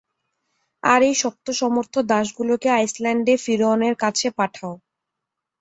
আর এই শক্তসমর্থ দাসগুলোকে আইসল্যান্ডে ফিওরনেরের কাছে পাঠাও।